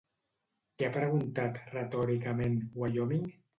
Què ha preguntat, retòricament, Wyoming?